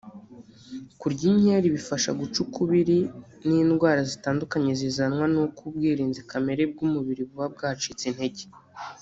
Kurya inkeri bifasha guca ukubiri n’indwara zitandukanye zizanwa n’uko ubwirinzi kamere bw’umubiri buba bwacitse intege